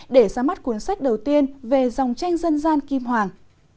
để ra mắt cuốn sách đầu tiên về dòng tranh dân gian kim hoàng